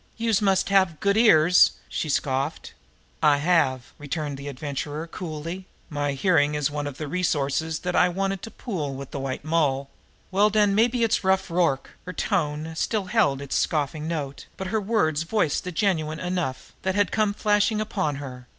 "Youse must have good ears!" she scoffed. "I have," returned the Adventurer coolly. "My hearing is one of the resources that I wanted to pool with the White Moll." "Well, den, mabbe it's Rough Rorke." Her tone still held its scoffing note; but her words voiced the genuine enough, that had come flashing upon her.